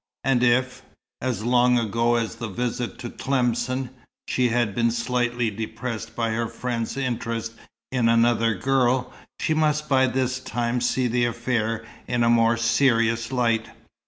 And if, as long ago as the visit to Tlemcen, she had been slightly depressed by her friend's interest in another girl, she must by this time see the affair in a more serious light.